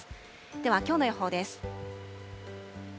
では、きょうの予報です。